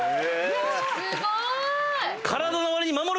すごーい！